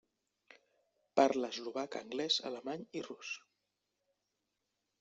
Parla eslovac, anglès, alemany i rus.